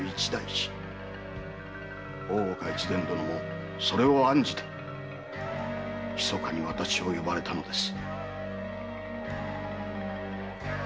大岡越前殿もそれを案じてひそかに私を呼ばれたのです。